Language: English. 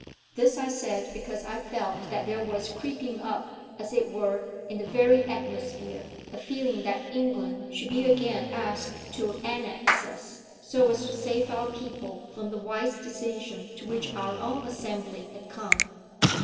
This I said because I felt that there was creeping up, as it were in the very atmosphere, a feeling that England should be again asked to annex us, so as to save our old people from the wise decision to which our own Assembly had come.